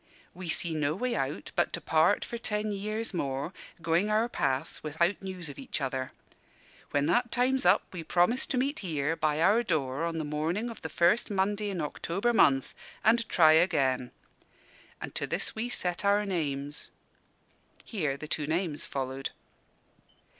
We see no way out but to part for ten years more, going our paths without news of each other. When that time's up, we promise to meet here, by our door, on the morning of the first Monday in October month, and try again. And to this we set our names." here the two names followed.